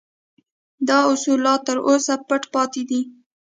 دا اصول لا تر اوسه پټ پاتې دي